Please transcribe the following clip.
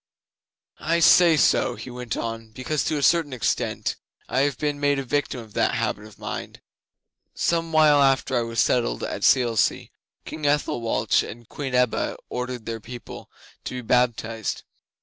'I say so,' he went on, 'because to a certain extent I have been made a victim of that habit of mind. Some while after I was settled at Selsey, King Ethelwalch and Queen Ebba ordered their people to be baptized.